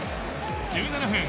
１７分。